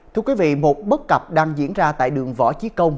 thưa quý vị một bất cập đang diễn ra tại đường võ chí công